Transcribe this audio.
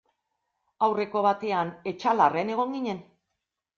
Aurreko batean Etxalarren egon ginen.